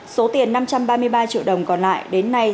số tiền năm trăm ba mươi ba triệu đồng còn lại đến nay